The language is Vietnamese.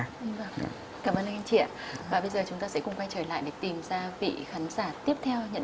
và bây giờ chúng ta sẽ cùng quay trở lại để tìm ra vị khán giả tiếp theo